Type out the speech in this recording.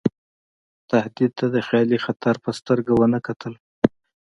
تهدید ته د خیالي خطر په سترګه ونه کتل.